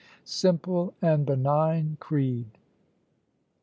_ Simple and benign creed!